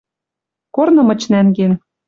Корны мыч нӓнген.